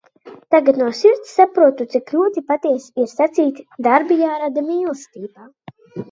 Tagad no sirds saprotu, cik ļoti patiesi ir sacīt – darbi jārada mīlestībā.